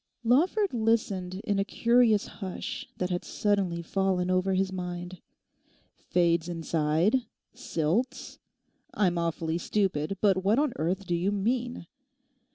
Lawford listened in a curious hush that had suddenly fallen over his mind. '"Fades inside? silts?"—I'm awfully stupid, but what on earth do you mean?